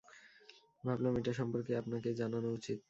ভাবলাম এটা সম্পর্কে আপনাকে জানানো উচিত।